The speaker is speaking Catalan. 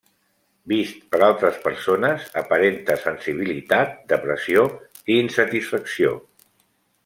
Vist per altres persones, aparenta sensibilitat, depressió i insatisfacció.